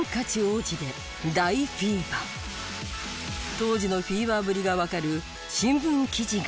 当時のフィーバーぶりがわかる新聞記事がこちら。